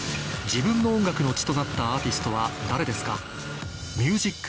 自分の音楽の血となったアーティストは誰ですか？